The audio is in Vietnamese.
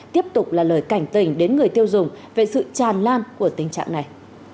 tiếp tục là lời cảnh tình đến người tiêu dùng về sự tràn lan của tình trạng này